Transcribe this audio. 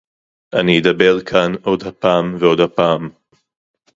אני אדבר כאן עוד הפעם ועוד הפעם